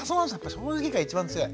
正直が一番強い。